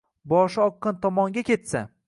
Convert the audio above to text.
Boshi oqqan tomonga ketsa.